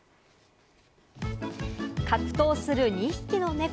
格闘する２匹の猫。